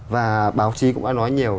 và báo chí cũng đã nói nhiều